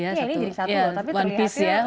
ya ini jadi satu tapi terlihatnya satu ya